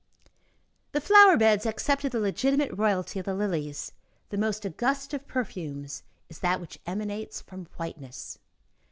The flower beds accepted the legitimate royalty of the lilies; the most august of perfumes is that which emanates from whiteness.